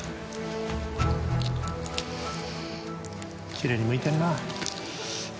きれいに剥いてんなぁ。